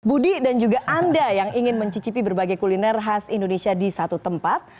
budi dan juga anda yang ingin mencicipi berbagai kuliner khas indonesia di satu tempat